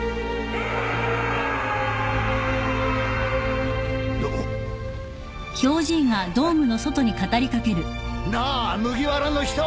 フッなあ麦わらの人。